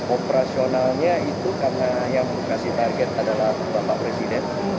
operasionalnya itu karena yang dikasih target adalah bapak presiden